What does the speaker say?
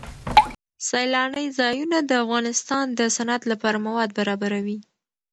سیلانی ځایونه د افغانستان د صنعت لپاره مواد برابروي.